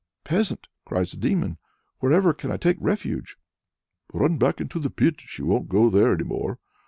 "Peasant," cries the Demon, "wherever can I take refuge?" "Run back into the pit. She won't go there any more."